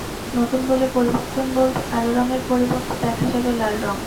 নতুন বলে পরিবর্তন বলতে কালো রঙের পরিবর্তে দেখা যাবে লাল রং।